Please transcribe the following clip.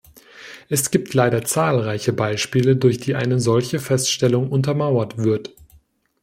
Es gibt leider zahlreiche Beispiele, durch die eine solche Feststellung untermauert wird.